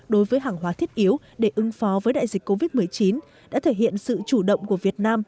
đối với hàng hóa thiết yếu để ứng phó với đại dịch covid một mươi chín đã thể hiện sự chủ động của việt nam